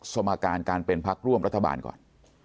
สมการการเป็นพักร่วมรัฐบาลก่อน